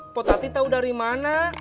potati tahu dari mana